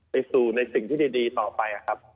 ไปสู่ในสิ่งที่ดีต่อไปครับ